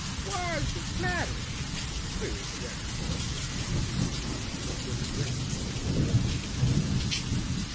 "Whar's de c'lateral?" queried the Reverend Mr. Smith calmly, but with aggressiveness in his eye.